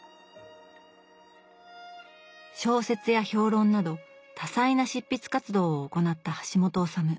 小説や評論など多彩な執筆活動を行った橋本治。